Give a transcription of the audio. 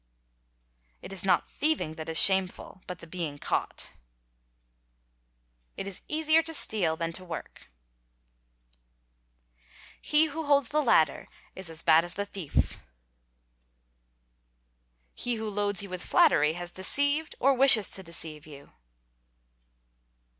—It is not thieving that is shameful but the being caught.— It is easier to steal than to work.—He who holds the ladder is as bad as re 48 Vie 7 378 WANDERING TRIBES the thief. He who loads you with flattery has deceived, or wishes to deceive, you.